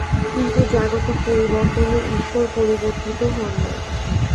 কিন্তু জাগতিক পরিবর্তনে ঈশ্বর পরিবর্তিত হন না।